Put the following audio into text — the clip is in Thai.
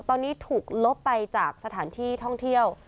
ตอนนี้ถูกลบไปจากสถานที่ท่องเที่ยว